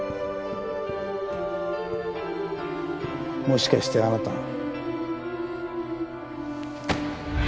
もしかしてあなたも？